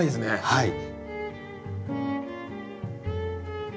はい。